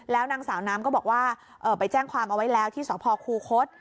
แล้วนางสาวน้ำก็บอกว่าไปแจ้งความเอาไว้แล้วที่สพคูคศ